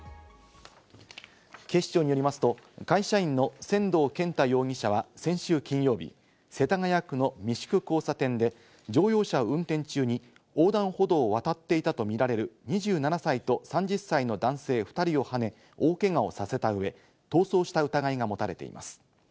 警視庁によりますと、会社員の仙道健太容疑者は先週金曜日、世田谷区の三宿交差点で乗用車を運転中に横断歩道を渡っていたとみられる２７歳と３０歳の男性２人をはね、大けがをさせたうえ、逃走した疑いが持たれています。